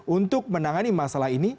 untuk menangani masalah ini